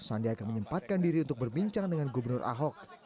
sandiaga menyempatkan diri untuk berbincang dengan gubernur ahok